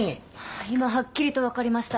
今はっきりと分かりました。